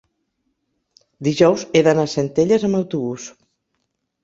dijous he d'anar a Centelles amb autobús.